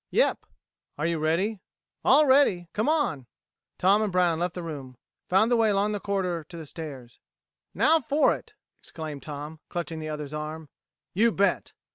"Yep." "Are you ready?" "All ready. Come on." Tom and Brown left the room, found the way along the corridor to the stairs. "Now for it!" exclaimed Tom, clutching the other's arm. "You bet!"